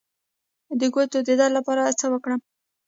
د ګوتو د درد لپاره باید څه وکړم؟